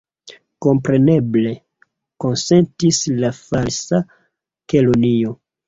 "Kompreneble," konsentis la Falsa Kelonio.